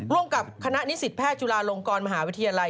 ร่วมกับคณะนิสิตแพทย์จุฬาลงกรมหาวิทยาลัย